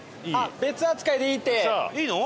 別扱いでいいって。いいの？